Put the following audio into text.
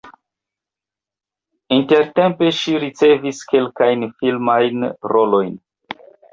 Intertempe ŝi ricevis kelkajn filmajn rolojn.